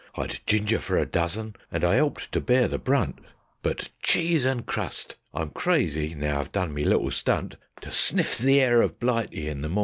I'd ginger for a dozen, and I 'elped to bear the brunt; But Cheese and Crust! I'm crazy, now I've done me little stunt, To sniff the air of Blighty in the mawnin'.